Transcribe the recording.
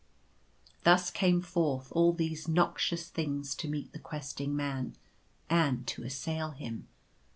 Thus came forth all these noxious things to meet the Questing Man, and to assail him.